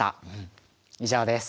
以上です。